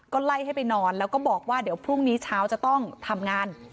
ก็ไล่ให้ไปนอนแล้วก็บอกว่าเดี๋ยวพรุ่งนี้เช้าจะต้องทำงาน